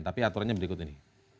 tapi aturannya berikut ini